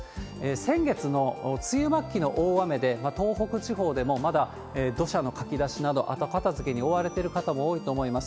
先月の梅雨末期の大雨で、東北地方でもまだ土砂のかき出しなど、後片づけに追われてる方も多いと思います。